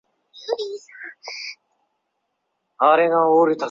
条纹狸藻为狸藻属中型贴水生食虫植物。